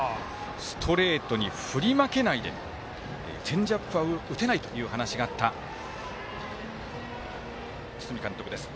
ストレートに振り負けないでチェンジアップは打てないというお話があった堤監督です。